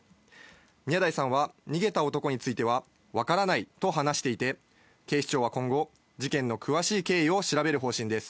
宮台さんは逃げた男についてはわからないと話していて、警視庁は今後、事件の詳しい経緯を調べる方針です。